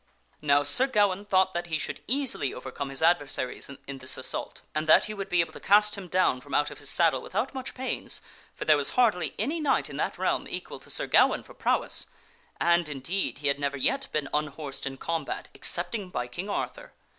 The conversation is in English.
Now, Sir Gawaine thought that he should easily overcome his adversary in this assault and that he would be able to cast him down from out of his saddle without much pains, for there was hardly any knight in that realm equal to Sir Gawaine for prowess. And, indeed, he had never yet been unhorsed in combat excepting by King Arthur.